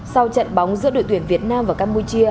sau trận bóng giữa đội tuyển việt nam và campuchia